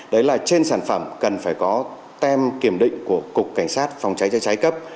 đấy là trên sản phẩm cần phải có tem kiểm định của cục cảnh sát phòng cháy chữa cháy cấp